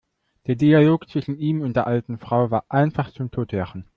Der Dialog zwischen ihm und der alten Frau war einfach zum Totlachen!